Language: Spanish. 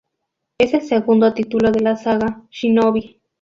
Es el segundo título de la saga Shinobi.